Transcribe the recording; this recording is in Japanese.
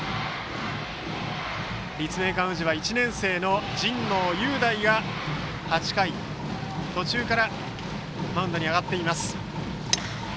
立命館宇治は１年生の神農雄大が８回途中からマウンドに上がっています。